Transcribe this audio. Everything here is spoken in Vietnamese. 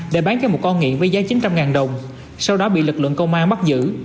để bán cho một con nghiện với giá chín trăm linh đồng sau đó bị lực lượng công an bắt giữ